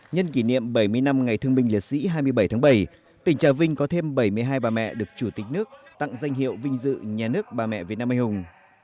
nhân kỷ niệm bảy mươi năm ngày thương bình liệt sĩ hai mươi bảy tháng bảy tỉnh trà vinh có thêm bảy mươi hai bà mẹ được chủ tịch nước tặng danh hiệu vinh dự nhà nước bà mẹ việt nam anh hùng